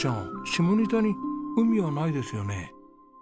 下仁田に海はないですよね。